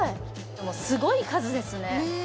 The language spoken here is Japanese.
もうすごい数ですねね